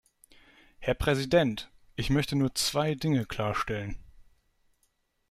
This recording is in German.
Herr Präsident! Ich möchte nur zwei Dinge klarstellen.